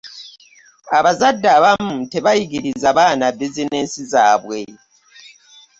abazadde abamu tebayigiriza baana bizineesi zaabwe.